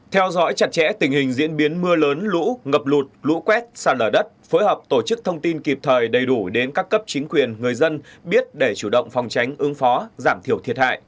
theo dõi chặt chẽ tình hình diễn biến mưa lớn lũ ngập lụt lũ quét sạt lở đất phối hợp tổ chức thông tin kịp thời đầy đủ đến các cấp chính quyền người dân biết để chủ động phòng tránh ứng phó giảm thiểu thiệt hại